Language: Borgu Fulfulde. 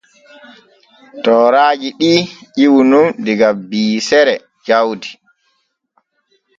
Tooraaji ɗi ƴiwu nun diga biisere jawdi.